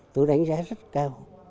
tôi đánh giá rất cao